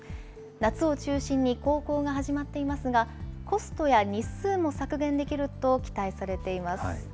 夏を中心に航行が始まっていますが、コストや日数も削減できると期待されています。